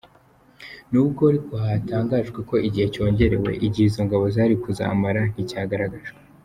Nubwo ariko hatangajwe ko igihe cyongerewe, igihe izo ngabo zari kuzamara nticyagaragajwe.